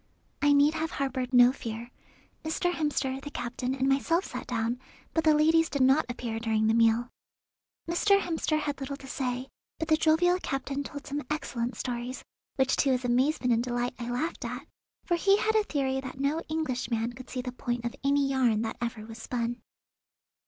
I need have harboured no fear; Mr. Hemster, the captain, and myself sat down, but the ladies did not appear during the meal. Mr. Hemster had little to say, but the jovial captain told some excellent stories, which to his amazement and delight I laughed at, for he had a theory that no Englishman could see the point of any yarn that ever was spun.